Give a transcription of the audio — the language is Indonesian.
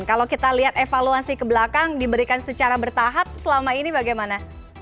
kalau kita lihat evaluasi ke belakang diberikan secara bertahap selama ini bagaimana